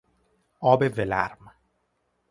آب ولرم